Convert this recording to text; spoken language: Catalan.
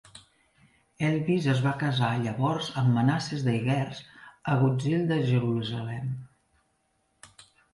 Helvis es va casar llavors amb Manasses de Hierges, agutzil de Jerusalem.